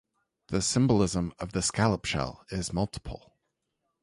The symbolism of the scallop shell is multiple.